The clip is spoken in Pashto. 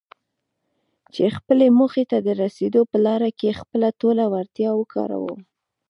چې خپلې موخې ته د رسېدو په لاره کې خپله ټوله وړتيا وکاروم.